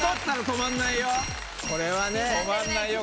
止まんないよ。